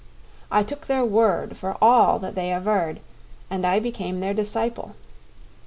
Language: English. I took their word for all that they averred, and I became their disciple.